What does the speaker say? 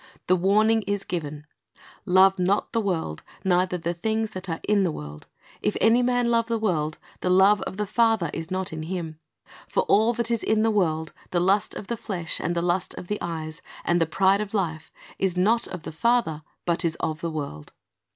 The warning is given, "Love not the world, neither the things that are in the world. If any man love the world, the love of the Father is not in him. For all that is in the world, the lust of the flesh, and the lust of the eyes, and the the pride of life, is not of the Father, but is of the world."'